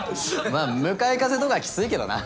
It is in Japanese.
まあ向かい風とかきついけどな。